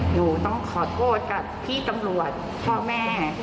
หนูต้องขอโทษกับพี่ตำรวจพ่อแม่